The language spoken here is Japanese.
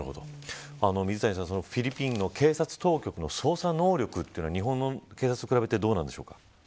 水谷さん、フィリピンの警察当局の捜査能力というのは日本の警察と比べてどうなんでしょうか。